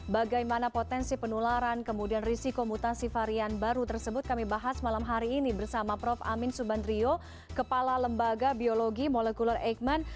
bagaimana potensi penularan kemudian risiko mutasi varian baru tersebut kami bahas malam hari ini bersama prof amin subandrio kepala lembaga biologi molekuler eijkman